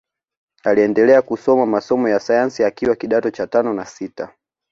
Aliendelea kusoma masomo ya sayansi akiwa kidato cha tano na sita